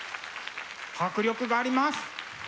迫力があります。